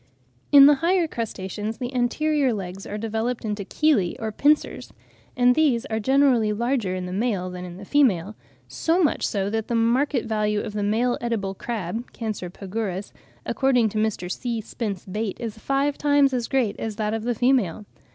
] In the higher crustaceans the anterior legs are developed into chelae or pincers; and these are generally larger in the male than in the female,—so much so that the market value of the male edible crab (Cancer pagurus), according to Mr. C. Spence Bate, is five times as great as that of the female.